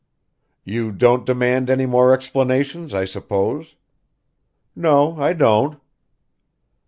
"You don't demand any more explanations, I suppose." "No, I don't."